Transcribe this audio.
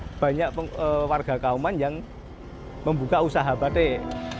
dan juga banyak warga kauman yang membuka usaha batik